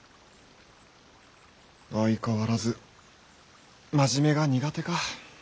相変わらず真面目が苦手か。